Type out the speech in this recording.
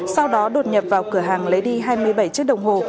sau đó đột nhập vào cửa hàng lấy đi hai mươi bảy chiếc đồng hồ